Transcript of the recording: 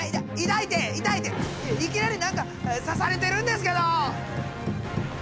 いきなり何か刺されてるんですけど。